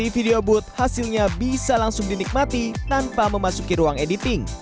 tiga ratus enam puluh video booth hasilnya bisa langsung dinikmati tanpa memasuki ruang editing